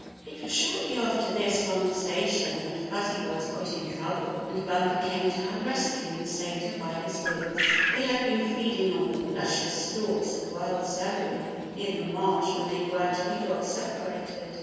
It was shortly after this conversation that Fuzzy Wuzz got in trouble, and Bumper came to her rescue and saved her by his wits. They had been feeding on the luscious stalks of wild celery near the marsh when they gradually got separated.